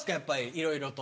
いろいろと。